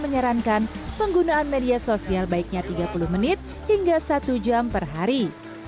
menyarankan penggunaan media sosial baiknya tiga puluh menit hingga satu jam per hari